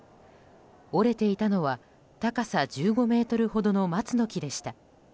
折れていたのは高さ１５ｍほどの松の木でした。